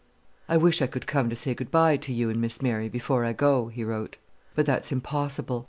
"I wish I could come to say good bye to you and Miss Mary before I go," he wrote; "but that's impossible.